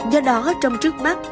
do đó trong trước mắt